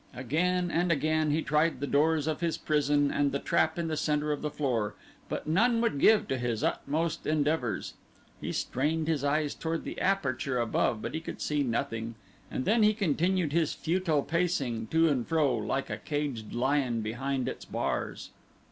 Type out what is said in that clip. Again and again he tried the doors of his prison and the trap in the center of the floor, but none would give to his utmost endeavors. He strained his eyes toward the aperture above but he could see nothing, and then he continued his futile pacing to and fro like a caged lion behind its bars.